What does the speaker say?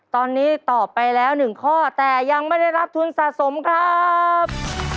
ตอนนี้ตอบไปแล้ว๑ข้อแต่ยังไม่ได้รับทุนสะสมครับ